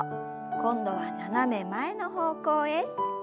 今度は斜め前の方向へ。